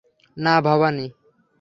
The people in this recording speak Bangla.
না, ভবানী।